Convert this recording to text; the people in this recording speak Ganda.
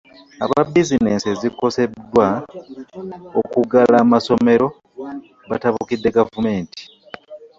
Aba bizinesi ezikoseddwa okuggala amasomera batabukidde gavumenti .